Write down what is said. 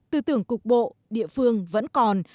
tư tưởng cục bộ địa phương vẫn còn